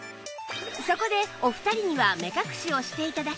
そこでお二人には目隠しをして頂き